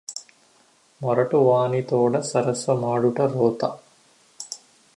మొరటువానితోడ సరసమాడుట రోత